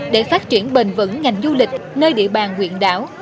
để phát triển bền vững ngành du lịch nơi địa bàn nguyện đảo